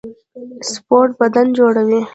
سپورټ بدن جوړوي